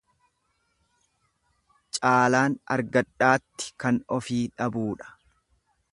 Caalaan argadhaatti kan ofii dhabuudha.